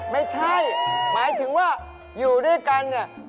ไม่ใช่หมายถึงว่าอยู่ด้วยกันเนี่ย